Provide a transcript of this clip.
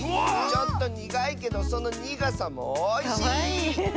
ちょっと苦いけどその苦さもおいしい！